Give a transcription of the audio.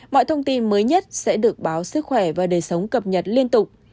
mọi thông tin mới nhất sẽ được báo sức khỏe và đời sống cập nhật liên tục